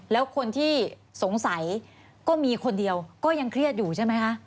แล้วคนที่สงสัยก็มีคนเดียวก็ยังเครียดอยู่ใช่ไหมคะ